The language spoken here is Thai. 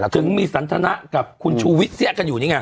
ถึงมีสันทนะกับคุณชูวิทยเสี้ยกันอยู่นี่ไง